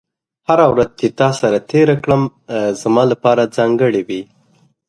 هره ورځ چې تا سره تېره کړم، زما لپاره ځانګړې وي.